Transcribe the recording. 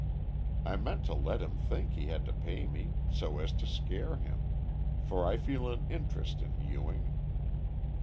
I meant to let him think he had to pay me so as to scare him, for I feel an interest in Ewing.